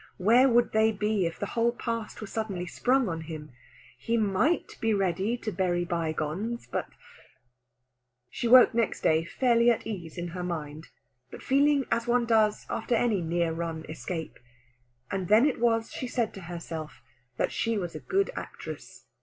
Where would they be if the whole past were suddenly sprung on him? He might be ready to bury bygones, but She woke next day fairly at ease in her mind, but feeling as one does after any near run escape. And then it was she said to herself that she was a good actress.